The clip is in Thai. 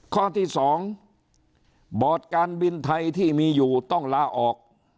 ข้อที่๒บอร์ดการบินไทยที่มีอยู่ต้องลาออก